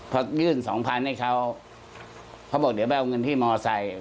พอยื่น๒๐๐๐บาทให้เขาเขาบอกเดี๋ยวไปเอาเงินที่มอเตอร์ไซค์